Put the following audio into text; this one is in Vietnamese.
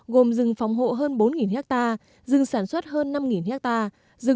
gồm rừng phòng hộ hơn bốn hectare rừng sản xuất hơn năm hectare rừng